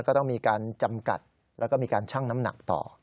ก็ต้องมีการจำกัดแล้วก็มีการชั่งน้ำหนักต่อ